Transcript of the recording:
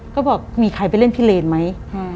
ก็บอกมีใครไปเล่นพิเลนไหม